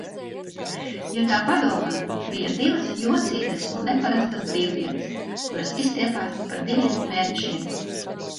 Ja tā padomā, bija divas jocīgas un neparastas brīvdienas, kuras izstiepās par diviem mēnešiem.